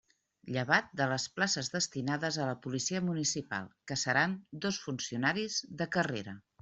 Llevat de les places destinades a la Policia Municipal que seran dos funcionaris de carrera.